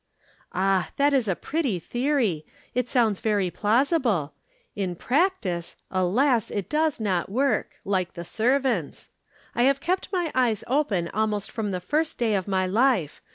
"Ah, that is a pretty theory. It sounds very plausible. In practice, alas! it does not work. Like the servants. I have kept my eyes open almost from the first day of my life.